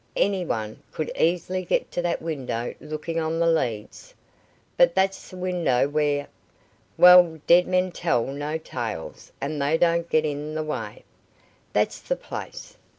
Any one could easily get to that window looking on the leads." "But that's the window where " "Well, dead men tell no tales, and they don't get in the way. That's the place."